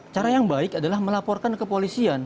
cara yang baik adalah melaporkan kepolisian